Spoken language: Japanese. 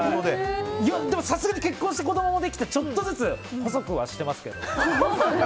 でもさすがに結婚して子供もできてちょっとずつしてますけど。